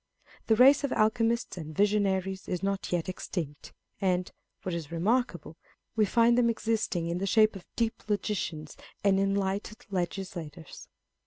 The race of alchemists and visionaries is not yet extinct ; and, what is remarkable, we find them existing in the shape of deep logicians and enlightened legislators.